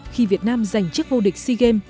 khi việt nam giành chiếc vô địch sea games